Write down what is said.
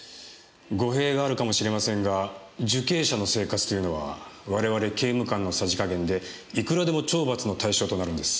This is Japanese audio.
語弊があるかもしれませんが受刑者の生活というのは我々刑務官のさじ加減でいくらでも懲罰の対象となるんです。